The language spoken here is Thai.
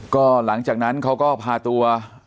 ก็หลังจากนั้นเขาก็พาตัว